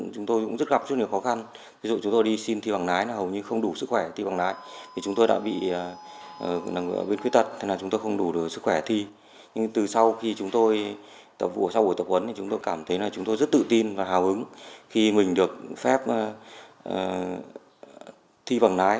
chúng tôi cảm thấy là chúng tôi rất tự tin và hào hứng khi mình được phép thi bằng lái